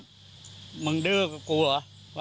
ทั้งหมดนี้คือลูกศิษย์ของพ่อปู่เรศรีนะคะ